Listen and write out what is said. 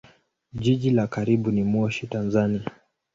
Jiji la karibu ni Moshi, Tanzania.